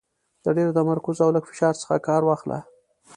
د ډېر تمرکز او لږ فشار څخه کار واخله .